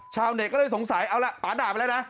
ชาวเน็ตก็เลยสงสัยเอาล่ะป่าด่าไปแล้วนะ